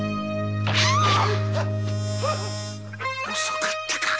遅かったか。